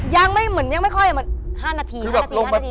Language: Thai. ยังไม่เหมือนยังไม่ค่อยเหมือนห้านาทีห้านาทีห้านาทีคือแบบลงไป